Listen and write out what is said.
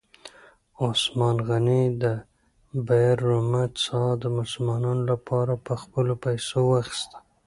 عثمان غني د بئر رومه څاه د مسلمانانو لپاره په خپلو پیسو واخیسته.